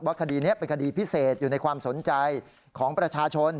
คดีนี้เป็นคดีพิเศษอยู่ในความสนใจของประชาชน